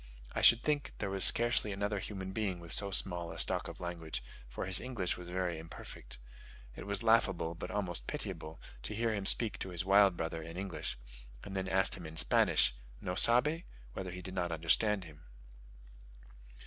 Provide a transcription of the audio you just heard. I should think there was scarcely another human being with so small a stock of language, for his English was very imperfect. It was laughable, but almost pitiable, to hear him speak to his wild brother in English, and then ask him in Spanish ("no sabe?") whether he did not understand him.